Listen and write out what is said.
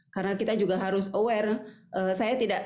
karena kita juga harus perhatian